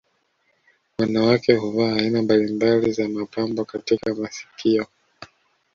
Wanawake huvaa aina mbalimbali za mapambo katika masikio